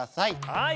はい。